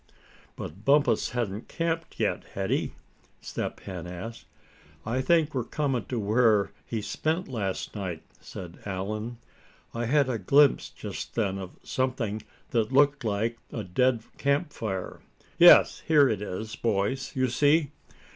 "But Bumpus hadn't camped yet, had he?" Step Hen asked. "I think we're coming to where he spent last night," said Allan. "I had a glimpse just then of something that looked like a dead camp fire. Yes, here it is, boys, you see."